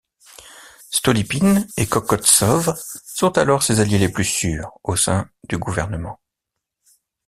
Stolypine et Kokovtsov sont alors ses alliés les plus sûrs au sein du gouvernement.